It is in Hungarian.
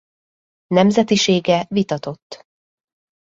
Nemzetisége vitatott.